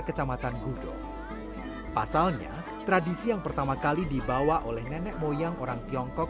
kecamatan gudo pasalnya tradisi yang pertama kali dibawa oleh nenek moyang orang tiongkok